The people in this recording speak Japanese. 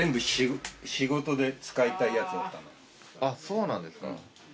そうなんですか。